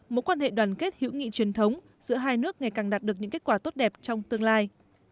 một quan hệ đoàn kết hữu nghị truyền thống giữa hai nước ngày càng đạt được những kết quả tốt đẹp trong tương lai